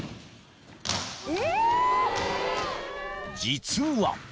［実は］